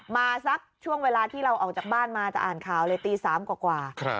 มาสักช่วงเวลาที่เราออกจากบ้านมาจะอ่านข่าวเลยตี๓กว่า